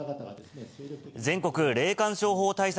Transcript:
全国霊感商法対策